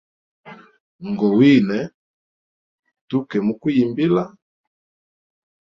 Ngowine tuke muku yimbila.